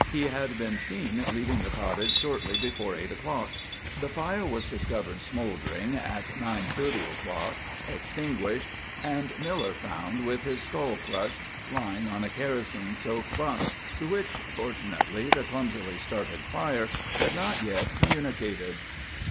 He had been seen leaving the cottage shortly before eight o'clock. The fire was discovered smouldering at nine thirty o'clock, extinguished, and Miller found with his skull crushed, lying on a kerosene soaked bunk, to which, fortunately, the clumsily started fire had not yet communicated.